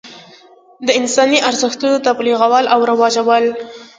د انساني ارزښتونو تبلیغول او رواجول.